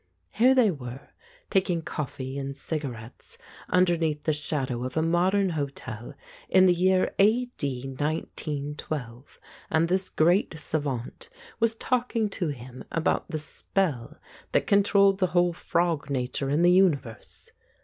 Here they were, taking coffee and cigarettes underneath the shadow of a modern hotel in the year a.d. 191 2, and this great savant was talking to him about the spell that con trolled the whole frog nature in the universe.